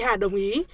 khi hà đồng ý